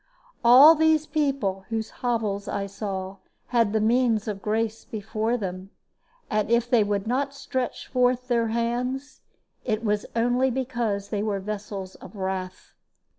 "All these people, whose hovels I saw, had the means of grace before them, and if they would not stretch forth their hands, it was only because they were vessels of wrath.